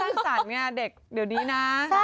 ความคิดสรรสันเนี่ยเดี๋ยวนี้นะ